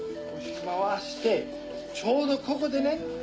回してちょうどここできる！